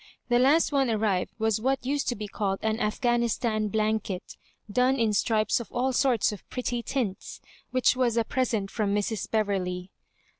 The last one arrived was what used to be called an Aff ghanistan blanket, done in stripes of all sorts of pretty tints, which was a present from Mrs. Bev erley.